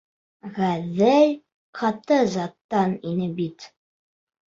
Ғәҙел, ҡаты заттан ине бит.